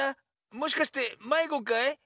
もしかしてまいごかい？